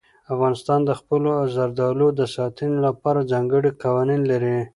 افغانستان د خپلو زردالو د ساتنې لپاره ځانګړي قوانین لري.